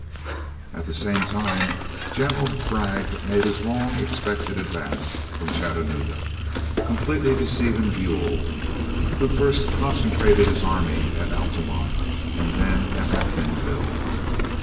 At the same time General Bragg made his long expected advance from Chattanooga, completely deceiving Buell, who first concentrated his army at Altamont and then at MacMinnville.